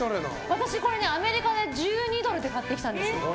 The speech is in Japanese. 私、これはアメリカで１２ドルで買ってきたんです。